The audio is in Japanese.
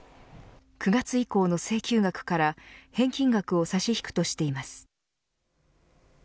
９月以降の請求額から返金額を差し引くとしています。